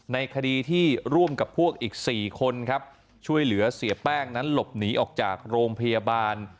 ในคดีที่ร่วมกับพวกอีก๔คนครับช่วยเหลือเสียแป้งนั้นหลบหนีออกจากโรงพยาบาล